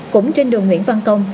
cũng trên đường nguyễn văn công